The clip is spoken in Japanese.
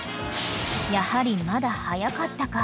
［やはりまだ早かったか］